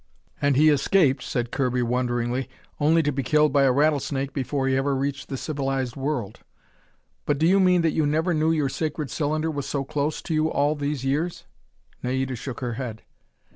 "And he escaped," said Kirby wonderingly, "only to be killed by a rattlesnake before he ever reached the civilized world. But do you mean that you never knew your sacred cylinder was so close to you all these years?" Naida shook her head.